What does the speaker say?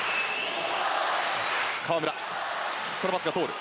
河村、このパスが通る。